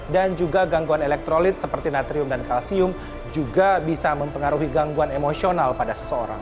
dan juga gangguan elektrolit seperti natrium dan kalsium juga bisa mempengaruhi gangguan emosional pada seseorang